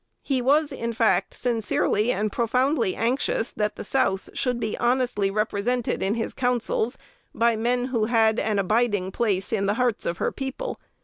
He was, in fact, sincerely and profoundly anxious that the South should be honestly represented in his councils by men who had an abiding place in the hearts of her people.